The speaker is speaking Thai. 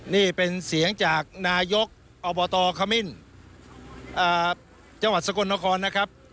นี่เป็นเสียงจากนายกอบตขมิ้นจังหวัดสกลนครนะครับ